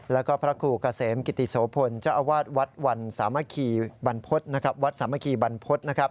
และก็พระครูกาเสมกิตติโสพลจะอาวาสวัดสามัคคีบรรพศ